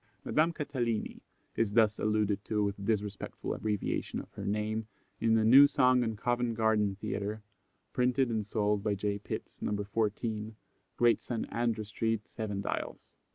Madame Catalini is thus alluded to with disrespectful abbreviation of her name in a new song on Covent Garden Theatre, printed and sold by J. Pitts, No. 14, Great St. Andrew street, Seven Dials.